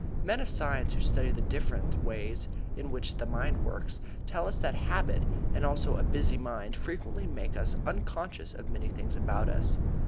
Men of science, who study the different ways in which the mind works, tell us that habit and also a busy mind frequently make us unconscious of many things about us.